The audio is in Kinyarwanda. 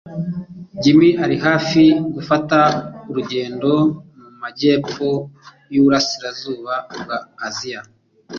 Jim ari hafi gufata urugendo mu majyepfo yuburasirazuba bwa Aziya.